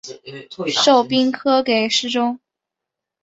授兵科给事中。